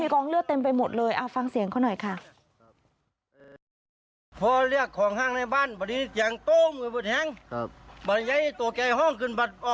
กองเลือดเต็มไปหมดเลยเอาฟังเสียงเขาหน่อยค่ะ